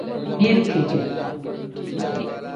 Birike.